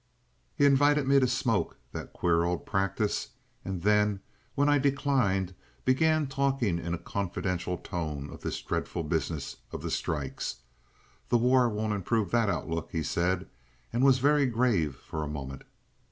He invited me to smoke—that queer old practice!—and then when I declined, began talking in a confidential tone of this "dreadful business" of the strikes. "The war won't improve that outlook," he said, and was very grave for a moment.